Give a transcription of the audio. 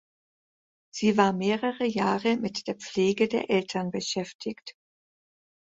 Sie war mehrere Jahre mit der Pflege der Eltern beschäftigt.